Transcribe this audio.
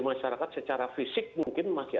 masyarakat secara fisik mungkin masih